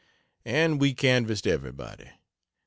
And we canvassed everybody.